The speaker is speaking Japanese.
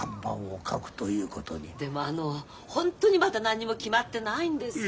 でもあのホントにまだ何にも決まってないんです。